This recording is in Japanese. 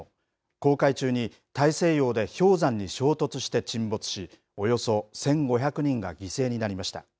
航海中に大西洋で氷山に衝突して沈没し、およそ１５００人が犠牲になりました。